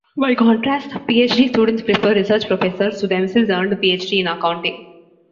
By contrast, PhD students prefer research professors who themselves earned a PhD in accounting.